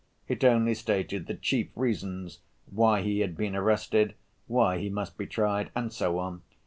It only stated the chief reasons why he had been arrested, why he must be tried, and so on.